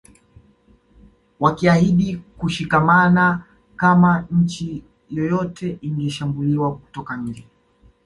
Wakiahidi kushikamana kama nchi yoyote ingeshambuliwa kutoka nje